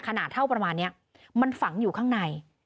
ขนาดเท่าประมาณนี้มันฝังอยู่ข้างใน